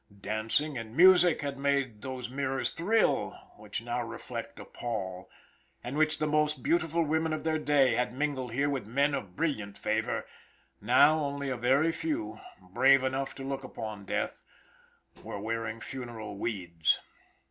Dancing and music had made those mirrors thrill which now reflect a pall, and where the most beautiful women of their day had mingled here with men of brilliant favor, now only a very few, brave enough to look upon death, were wearing funeral weeds.